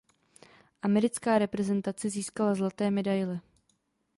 Americká reprezentace získala zlaté medaile.